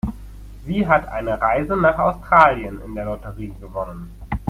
Sie hat eine Reise nach Australien in der Lotterie gewonnen.